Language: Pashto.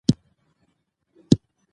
سیاسي نظام د ټولنې اړتیاوې تنظیموي